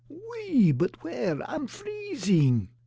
"Oui, but where? Ah'm freezing!"